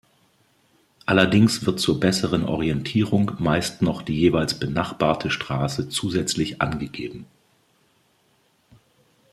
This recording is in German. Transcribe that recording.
Allerdings wird zur besseren Orientierung meist noch die jeweils benachbarte Straße zusätzlich angegeben.